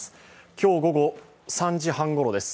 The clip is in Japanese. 今日午後３時半ごろです。